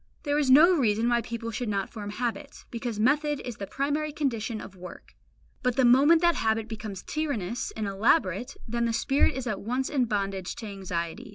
There is no reason why people should not form habits, because method is the primary condition of work; but the moment that habit becomes tyrannous and elaborate, then the spirit is at once in bondage to anxiety.